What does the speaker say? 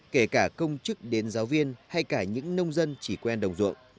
kể cả công chức đến giáo viên hay cả những nông dân chỉ quen đồng ruộng